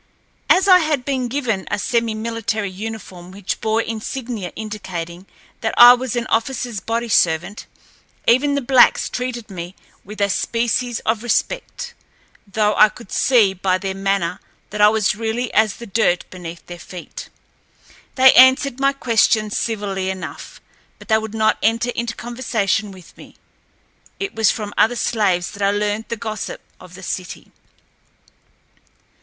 As I had been given a semi military uniform which bore insignia indicating that I was an officerl's body servant, even the blacks treated me with a species of respect, though I could see by their manner that I was really as the dirt beneath their feet. They answered my questions civilly enough, but they would not enter into conversation with me. It was from other slaves that I learned the gossip of the city.